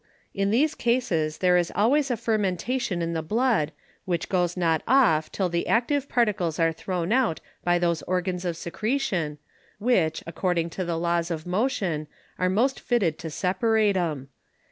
In these Cases there is always a Fermentation in the Blood, which goes not off till the active Particles are thrown out by those Organs of Secretion, which, according to the Laws of Motion, are most fitted to separate 'em.